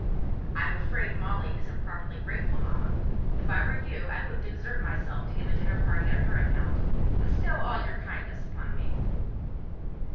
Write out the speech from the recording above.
"I'm afraid Molly isn't properly grateful, mamma. If I were you, I wouldn't exert myself to give a dinner party on her account. Bestow all your kindness upon me."